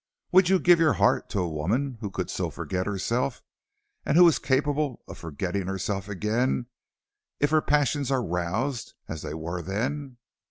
Would you give your heart to a woman who could so forget herself, and who is capable of forgetting herself again if her passions are roused as they were then?"